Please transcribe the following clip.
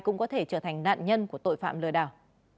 cũng có thể trở thành nạn nhân của tội phạm lừa đảo